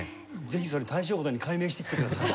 ぜひそれ大正琴に改名してきてください。